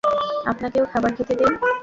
আপনাকেও খাবার খেতে দেই।